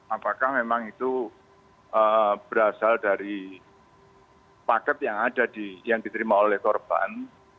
apakah memang itu berasal dari paket yang ada di yang diterima oleh korban